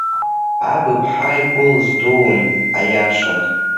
Аб иԥҳа игәы лыздуун, аиашаз.